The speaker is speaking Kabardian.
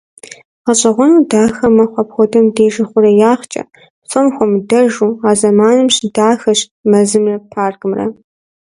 Гъащӏэгъуэну дахэ мэхъу апхуэдэм деж ихъуреягъкӏэ, псом хуэмыдэжу, а зэманым щыдахэщ мэзымрэ паркымрэ.